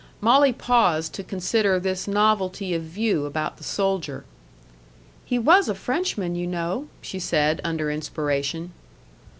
Molly paused to consider this novelty of view about the soldier. "He was a Frenchman, you know," she said, under inspiration.